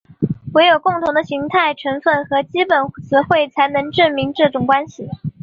惟有共同的形态成分和基本词汇才能证明这种关系。